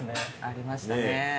ありましたね。